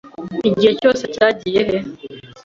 Igihe cyose cyagiye he?